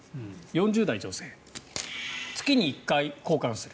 ４０代女性月に１回交換する。